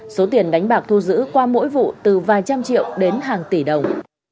số tiền đánh bạc thu giữ qua mỗi vụ từ vài trăm triệu đến hàng tỷ đồng